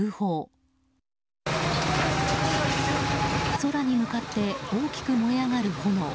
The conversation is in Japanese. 空に向かって大きく燃え上がる炎。